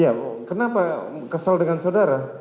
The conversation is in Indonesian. ya kenapa kesel dengan saudara